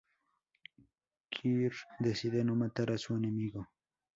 Kirk decide no matar a su enemigo.